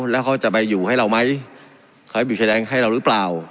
แล้วเขาจะไปอยู่ให้เราไหมเขาจะไปอยู่แสดงให้เรารึเปล่า